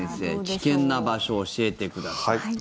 危険な場所を教えてください。